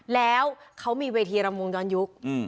แล้วเขามีเวทีรำวงย้อนยุค